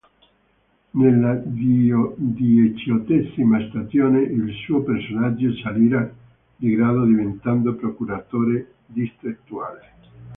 Nella diciottesima stagione il suo personaggio salirà di grado, diventando Procuratore distrettuale.